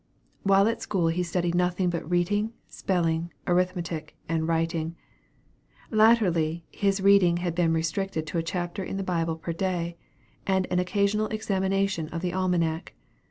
While at school he studied nothing but reading, spelling, arithmetic, and writing. Latterly, his reading had been restricted to a chapter in the Bible per day, and an occasional examination of the almanac.